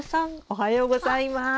おはようございます。